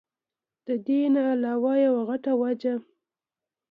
د دې نه علاوه يوه غټه وجه